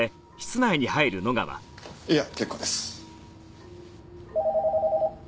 いや結構です。